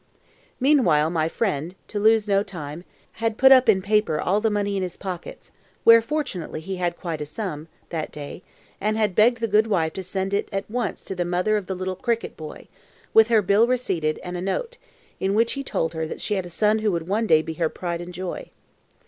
Meanwhile my friend, to lose no time, had put up in paper all the money in his pockets, where fortunately he had quite a sum that day, and had begged the good wife to send it at once to the mother of the little cricket boy, with her bill receipted, and a note, in which he told her that she had a son who would one day be her pride and joy.